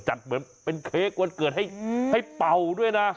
เหมือนเป็นเค้กวันเกิดให้เป่าด้วยนะ